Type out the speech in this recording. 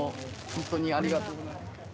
ほんとにありがとうございます。